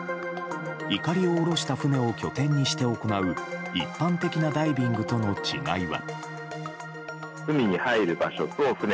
碇を下ろした船を拠点にして行う一般的なダイビングとの違いは。